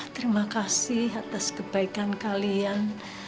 terima kasih atas kebaikan kalian